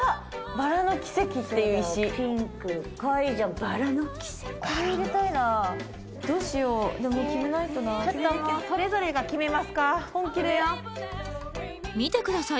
「バラの奇跡」っていう石かわいいじゃんこれ入れたいなどうしようもう決めないとなそれぞれが決めますか本気で見てください